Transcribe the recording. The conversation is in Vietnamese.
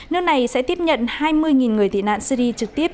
nước này sẽ tiếp nhận hai mươi người tị nạn syri trực tiếp